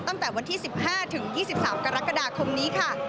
ตั้งแต่วันที่๑๕ถึง๒๓กรกฎาคมนี้ค่ะ